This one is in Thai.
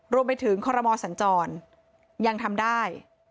รวมไปถึงคอรมอสัญจรยังทำได้